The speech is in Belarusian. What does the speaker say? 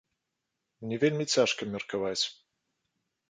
Мне вельмі цяжка меркаваць.